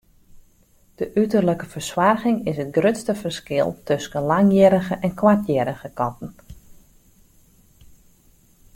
De uterlike fersoarging is it grutste ferskil tusken langhierrige en koarthierrige katten.